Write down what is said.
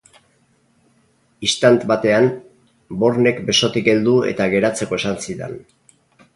Istant batean, Bornek besotik heldu eta geratzeko esan zidan.